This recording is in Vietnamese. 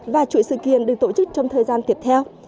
và chuỗi sự kiện được tổ chức trong thời gian tiếp theo